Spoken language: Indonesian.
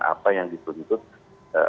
apa yang dituntut